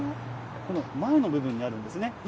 この前の部分にあるんですね。